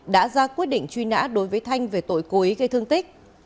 đã ra quyết định truy nã đối với thanh về tội cố ý gây thương tích